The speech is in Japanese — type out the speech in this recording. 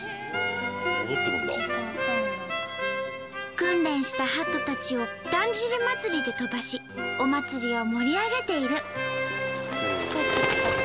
訓練したハトたちをだんじり祭で飛ばしお祭りを盛り上げている。